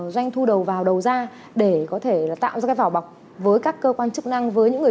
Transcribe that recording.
doanh thu đầu vào đầu ra để có thể là tạo ra cái vỏ bọc với các cơ quan chức năng với những người